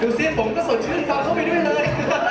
ดูสิผมก็สะชื่นค่ะเข้าไปด้วยเลย